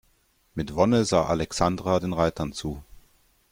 Mit Wonne sah Alexandra den Reitern zu.